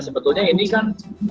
sebetulnya ini kan